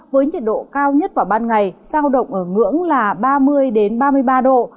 với nhiệt độ cao nhất vào ban ngày sao động ở ngưỡng là ba mươi ba mươi ba độ